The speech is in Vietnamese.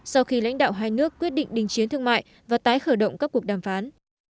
sau khi lãnh đạo hai nước quyết định đình chiến thương mại và tái khởi động các cuộc đàm phán